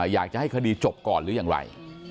อยากจะให้คดีจบก่อนหรือยังไร